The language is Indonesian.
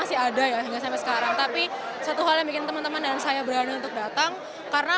senang saya merasa sedikit terharu